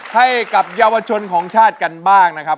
ให้กับเยาวชนของชาติกันบ้างนะครับ